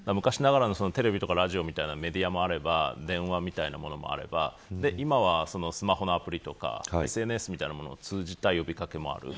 昔ながらのテレビとかラジオというメディアもあれば電話みたいなものもあれば今はスマホのアプリとかＳＮＳも通じた呼び掛けもある。